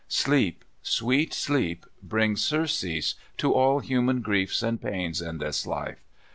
Sleep, sweet sleep, brings surcease to all human griefs and pains in this life.